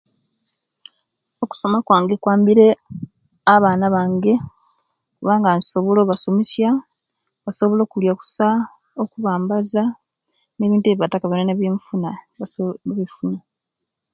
Okusoma okwange kwambire abaana bange kubanga nsobola okusomesiya basobola okuliya kusa okuwambaza nebintu eibataka biyonabiyona ebiyenfuna basobola okubifuna